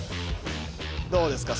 どうですか？